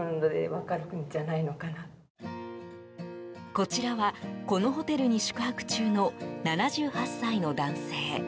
こちらはこのホテルに宿泊中の７８歳の男性。